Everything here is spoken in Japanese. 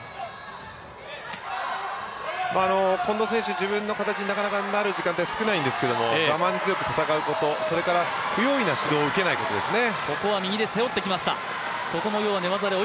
近藤選手、なかなか自分の形になる時間が短いんですけど我慢強く戦うこと、不用意な指導を受けないことですね。